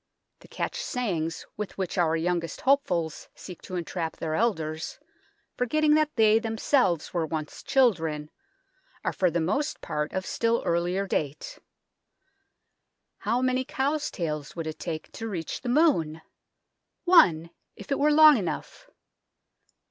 The catch sayings with which our youngest hopefuls seek to entrap their elders, forgetting that they themselves were once children, are for the most part of still earlier date. " How many cows' tails would it take to reach the moon ?"" One if it were long enough